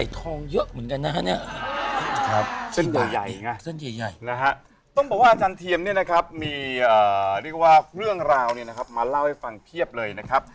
ท่านบอกว่าอาจารย์เทียมมีเรื่องราวมาเล่าให้ฟังเพียบเลยนะครับ